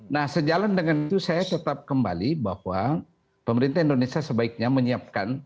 nah sejalan dengan itu saya tetap kembali bahwa pemerintah indonesia sebaiknya menyiapkan